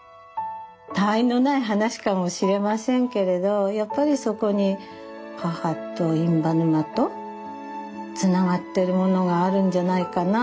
たわいのない話かもしれませんけれどやっぱりそこに母と印旛沼とつながってるものがあるんじゃないかな。